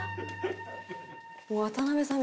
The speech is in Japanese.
もう渡辺さん